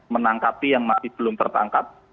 menangkapi yang masih belum tertangkap